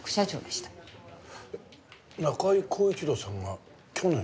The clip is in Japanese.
中井恒一郎さんが去年？